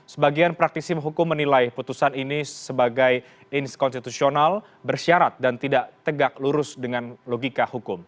sebagian praktisi hukum menilai putusan ini sebagai inskonstitusional bersyarat dan tidak tegak lurus dengan logika hukum